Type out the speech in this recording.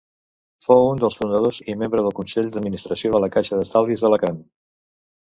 Fou un dels fundadors i membre del consell d'administració de la Caixa d'Estalvis d'Alacant.